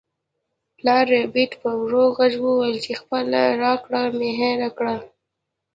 پلار ربیټ په ورو غږ وویل چې خپله لکړه مې هیره کړه